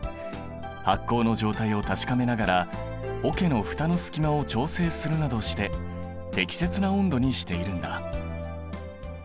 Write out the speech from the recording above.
発酵の状態を確かめながら桶の蓋の隙間を調整するなどして適切な温度にしているんだ。